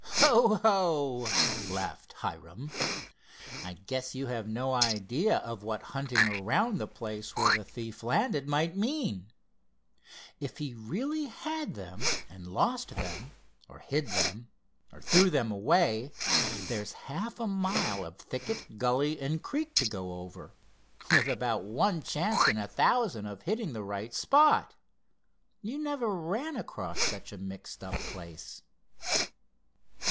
"Ho! ho!" laughed Hiram. "I guess you have no idea of what hunting around the place where the thief landed might mean. If he really had them and lost them, or hid them, or threw them away, there's half a mile of thicket, gully and creek to go over, with about one chance in a thousand of hitting the right spot. You never ran across such a mixed up place."